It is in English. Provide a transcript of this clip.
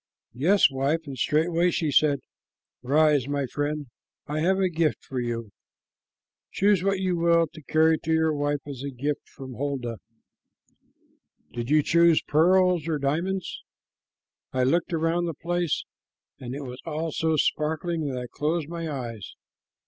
"Yes, wife, and straightway she said: 'Rise, my friend. I have a gift for you. Choose what you will to carry to your wife as a gift from Holda.'" "Did you choose pearls or diamonds?" "I looked about the place, and it was all so sparkling that I closed my eyes.